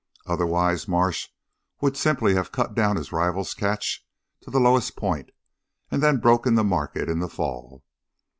Otherwise, Marsh would simply have cut down his rival's catch to the lowest point, and then broken the market in the fall.